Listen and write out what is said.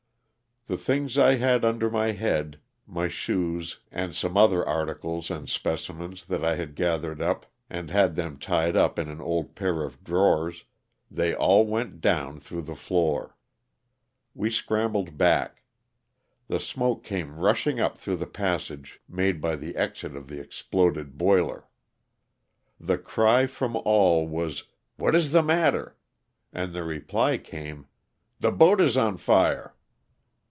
The things I had under my head, my shoes, and some other 30 LOSS OF THE SULTANA. articles and specimens that I had gathered up and had them tied up in an old pair of drawers, they all went down through the floor. We scrambled back. The smoke came rushing up through the passage made by the exit of the exploded boiler. The cry from all was, " What is the matter ?'' and the reply came, the boat is on fire."